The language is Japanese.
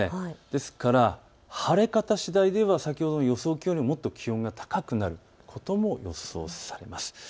ですから晴れ方しだいでは先ほどの予想気温よりももっと気温が高くなることも予想されます。